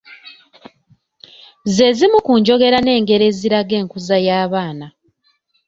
Ze zimu ku njogera n’engero eziraga enkuza y’abaana.